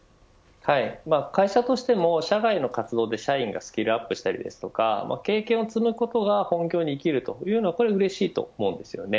会社としても社外の活動で社員がスキルアップしたり経験を積むことが本業に生きるというのはうれしいと思うんですよね。